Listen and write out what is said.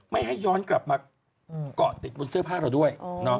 ไม่ให้ย้อนกลับมาเกาะติดบนเสื้อผ้าเราด้วย